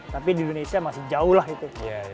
tapi di indonesia masih jauh lah itu